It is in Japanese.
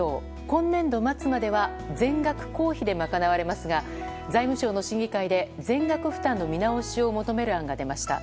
今年度末までは全額、公費で賄われますが財務省の審議会で全額負担の見直しを求める案が出ました。